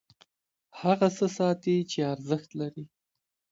هغه څه ساتي چې ارزښت لري.